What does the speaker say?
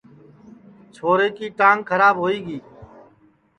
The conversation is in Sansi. روتیئے کی ٹانگ کھراب ہوئی گی